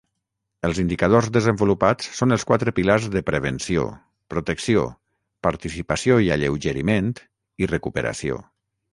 Els indicadors desenvolupats són els quatre pilars de prevenció, protecció, participació i alleugeriment i recuperació.